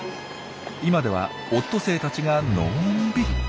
今ではオットセイたちがのんびり。